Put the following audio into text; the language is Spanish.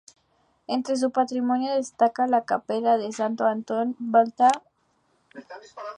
Entre su patrimonio destaca la capela de Santo Antonio de Batalha.